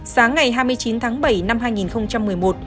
sáng ngày hai mươi chín tháng bảy năm hai nghìn một